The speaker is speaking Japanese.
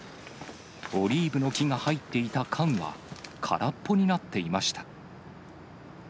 オリーブの木が入っていた缶は、空っぽになっていました。